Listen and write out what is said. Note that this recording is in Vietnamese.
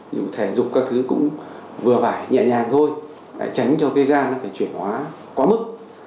ví dụ thể dục các thứ cũng vừa vải nhẹ nhàng thôi để tránh cho cái gan nó phải chuyển hóa quá mức